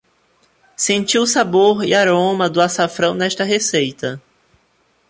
Senti o sabor e aroma do açafrão nesta receita